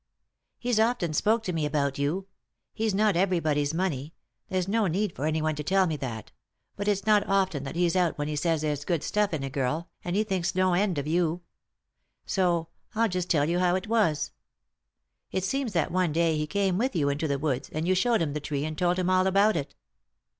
" He's often spoken to me about you ; he's not everybody's money — there's no need for anyone to tell me that — but it's not often that he's out when he says there's good stuff in a girl, and he thinks no end of you. So — I'll just tell you how it was. It seems that one day he came with you into the woods, and you showed him the tree, and told him all about it."